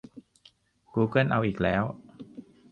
กูเกิลเอาอีกแล้ว !